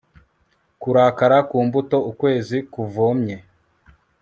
kurakara ku mbuto ukwezi kuvomye